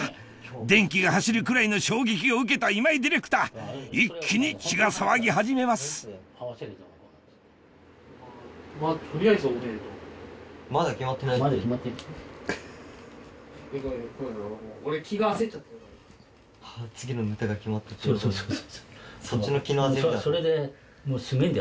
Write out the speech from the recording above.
電気が走るくらいの衝撃を受けた今井ディレクター一気に血が騒ぎ始めますそうそうそう。